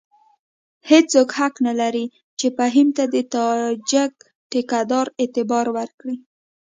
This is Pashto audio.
هېڅوک حق نه لري چې فهیم ته د تاجک ټیکه دار اعتبار ورکړي.